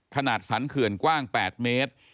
สันเขื่อนกว้าง๘เมตร